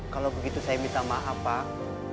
kalau begitu saya minta maaf pak